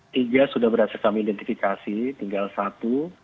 tiga sudah berhasil kami identifikasi tinggal satu